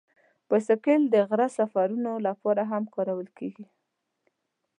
بایسکل د غره سفرونو لپاره هم کارول کېږي.